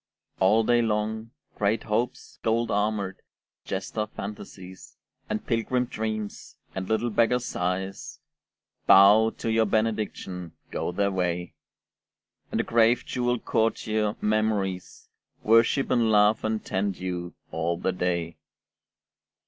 All day long Great Hopes gold armoured, jester Fantasies, And pilgrim Dreams, and little beggar Sighs, Bow to your benediction, go their way. And the grave jewelled courtier Memories Worship and love and tend you, all the day.